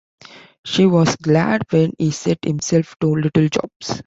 She was glad when he set himself to little jobs.